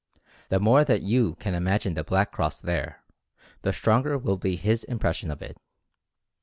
The more that you can imagine the black cross there, the stronger will be his impression of it.